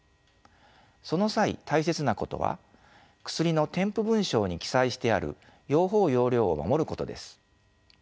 その際大切なことは薬の添付文章に記載してある用法用量を守ることです。